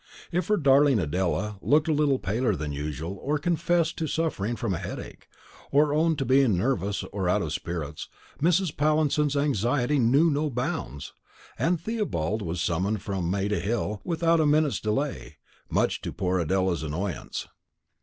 If her darling Adela looked a little paler than usual, or confessed to suffering from a headache, or owned to being nervous or out of spirits, Mrs. Pallinson's anxiety knew no bounds, and Theobald was summoned from Maida Hill without a minute's delay, much to poor Adela's annoyance.